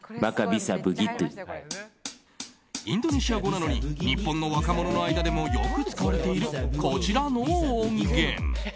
インドネシア語なのに日本の若者の間でもよく使われている、こちらの音源。